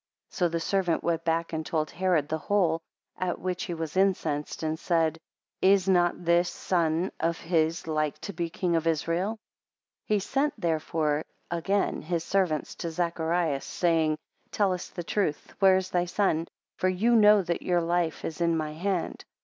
11 So the servants went back, and told Herod the whole; at which he was incensed, and said, Is not this son of his like to be king of Israel? 12 He sent therefore again his servants to Zacharias, saying, Tell us the truth, where is thy son, for you know that your life is in my hand.